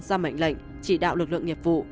ra mệnh lệnh chỉ đạo lực lượng nghiệp vụ